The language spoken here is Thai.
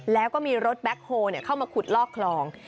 แล้วก็มีรถแบ็คโฮลเข้ามาขุดลอกคลอง